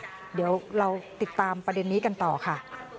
เดี๋ยวเราติดตามประเด็นนี้กันต่อค่ะ